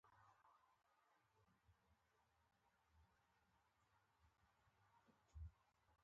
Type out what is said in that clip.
د انګلیسیانو مرستې ته ضرورت نه لري.